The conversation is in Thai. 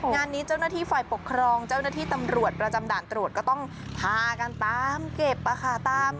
งานนี้เจ้าหน้าที่ฝ่ายปกครองเจ้าหน้าที่ตำรวจประจำด่านตรวจก็ต้องพากันตามเก็บค่ะ